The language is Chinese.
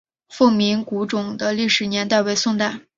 凤鸣古冢的历史年代为宋代。